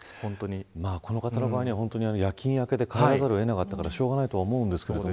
この方の場合は夜勤明けで帰らざるを得なかったのでしょうがないと思います。